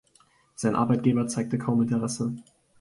Sein Arbeitgeber zeigte kaum Interesse.